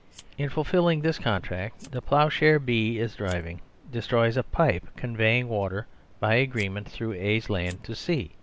In fulfilling this contract the ploughshare B is driving destroys a pipe conveying water by agree ment through A's land to C.